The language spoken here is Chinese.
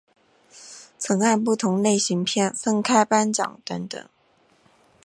曾按不同类型片分开颁奖等等。